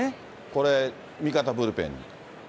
これ、味方ブルペンに。